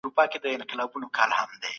عدالت د اسلام امر دی.